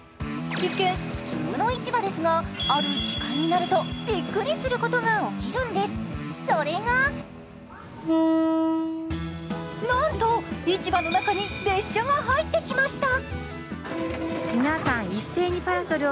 一見、普通の市場ですが、ある時間になるとびっくりすることが起きるんですそれがなんと、市場の中に列車が入ってきました。